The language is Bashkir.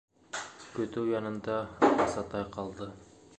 Көтөү янында Асатай ҡалды.